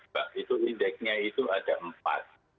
bahwa itu indeknya itu ada empat